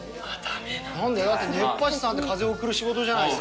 なんで、だって熱波師さんって、風を送る仕事じゃないですか。